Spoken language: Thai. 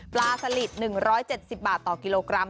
ปลาสลิด๑๗๐บาทต่อกิโลกรัม